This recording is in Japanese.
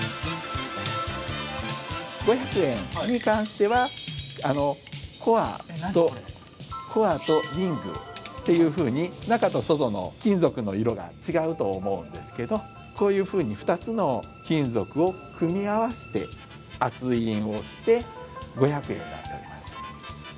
五百円に関してはコアとコアとリングっていうふうに中と外の金属の色が違うと思うんですけどこういうふうに２つの金属を組み合わせて圧印をして五百円になっております。